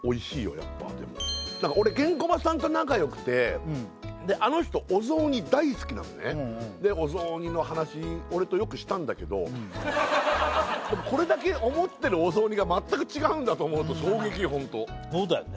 やっぱでも俺ケンコバさんと仲良くてあの人お雑煮大好きなのねでお雑煮の話俺とよくしたんだけどこれだけ思ってるお雑煮が全く違うんだと思うと衝撃ホントそうだよね